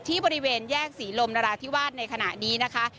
บริเวณแยกศรีลมนราธิวาสในขณะนี้นะคะ